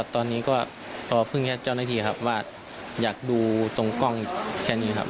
ตอนนี้ก็รอพึ่งญาติเจ้าหน้าที่ครับว่าอยากดูตรงกล้องแค่นี้ครับ